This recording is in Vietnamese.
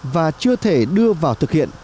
và chưa thể đưa vào thực hiện